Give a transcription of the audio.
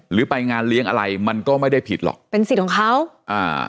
ไปงานเลี้ยงอะไรมันก็ไม่ได้ผิดหรอกเป็นสิทธิ์ของเขาอ่า